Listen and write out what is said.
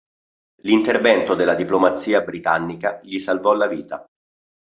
L'intervento della diplomazia britannica gli salvò la vita.